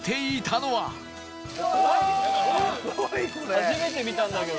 初めて見たんだけど。